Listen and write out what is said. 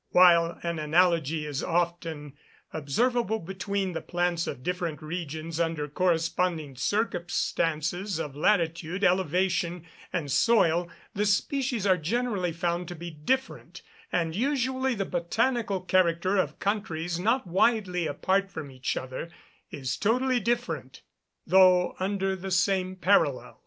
While an analogy is often observable between the plants of different regions under corresponding circumstances of latitude, elevation, and soil, the species are generally found to be different; and usually the botanical character of countries not widely apart from each other, is totally different, though under the same parallels.